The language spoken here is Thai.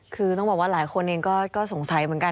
คือต้องบอกว่าหลายคนเองก็สงสัยเหมือนกัน